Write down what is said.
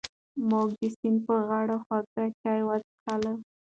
موږ د سیند په غاړه خوږې چای وڅښلې.